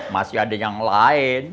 masih ada yang lain